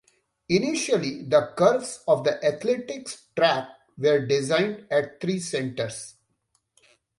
Initially, the curves of the athletics track were designed at three centres.